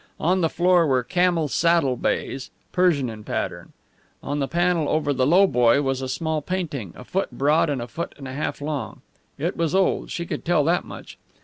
On the floor were camel saddle bays, Persian in pattern. On the panel over the lowboy was a small painting, a foot broad and a foot and a half long. It was old she could tell that much.